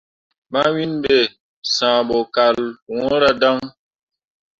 Mawiŋ be, sããh bo kal wɲǝǝra dan.